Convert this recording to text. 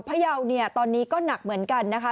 พยาวเนี่ยตอนนี้ก็หนักเหมือนกันนะคะ